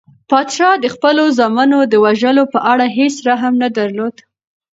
پادشاه د خپلو زامنو د وژلو په اړه هیڅ رحم نه درلود.